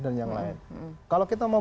dan yang lain kalau kita mau